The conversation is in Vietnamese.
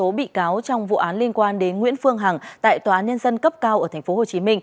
một mươi bị cáo trong vụ án liên quan đến nguyễn phương hằng tại tòa án nhân dân cấp cao ở tp hcm